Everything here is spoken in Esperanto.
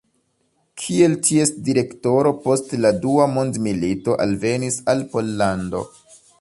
Kiel ties direktoro post la dua mondmilito alvenis al Pollando.